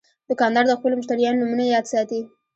دوکاندار د خپلو مشتریانو نومونه یاد ساتي.